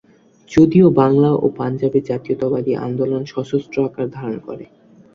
যদিও বাংলা ও পাঞ্জাবে জাতীয়তাবাদী আন্দোলন সশস্ত্র আকার ধারণ করে।